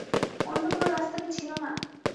অন্য কোনো রাস্তা কি ছিল না?